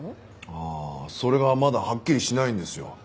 ああそれがまだはっきりしないんですよ。